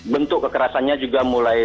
bentuk kekerasannya juga mulai